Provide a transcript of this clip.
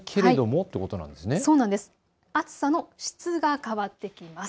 暑さの質が変わってきます。